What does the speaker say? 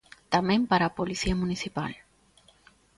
Tamén para a Policía municipal.